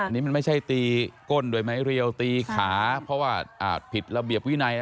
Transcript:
นี่มันไม่ใช่ตีก้นด้วยไม้เรียวตีขาเพราะว่าผิดระเบียบวินัย